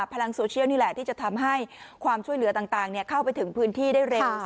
พลังโซเชียลนี่แหละที่จะทำให้ความช่วยเหลือต่างเข้าไปถึงพื้นที่ได้เร็ว